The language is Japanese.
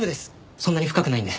そんなに深くないんで。